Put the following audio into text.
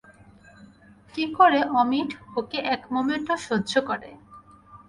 কী করে অমিট ওকে এক মোমেন্টও সহ্য করে।